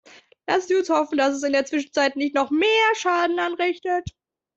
Lassen Sie uns hoffen, dass es in der Zwischenzeit nicht noch mehr Schaden anrichtet.